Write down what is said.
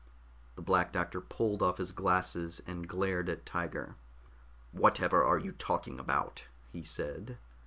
The Black Doctor pulled off his glasses and glared at Tiger. "Whatever are you talking about?" he said.